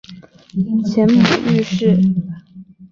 前母俞氏。